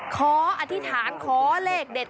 ขออธิษฐานขอเลขเด็ด